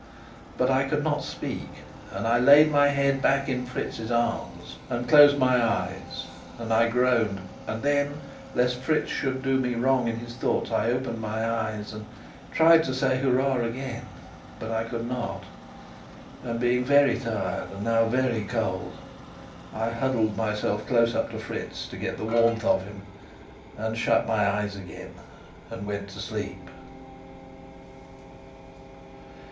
But I could not speak, and I laid my head back in Fritz's arms and closed my eyes, and I groaned; and then, lest Fritz should do me wrong in his thoughts, I opened my eyes and tried to say "Hurrah!" again. But I could not. And being very tired, and now very cold, I huddled myself close up to Fritz, to get the warmth of him, and shut my eyes again and went to sleep.